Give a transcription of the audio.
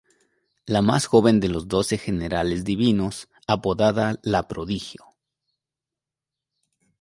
La más joven de los Doce Generales Divinos apodada "La Prodigio".